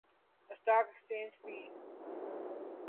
stock ایکسچینجتی